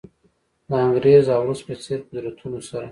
د انګریز او روس په څېر قدرتونو سره.